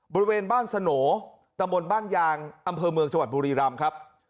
บริเวณบ้านสโหนตะบนบ้านยางอำเภอเมืองจังหวัดบุรีรำครับ